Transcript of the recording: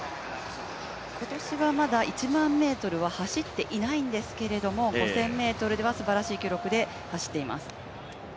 今年はまだ１００００ｍは走っていないんですけれども、５０００ｍではすばらしい記録で走っています。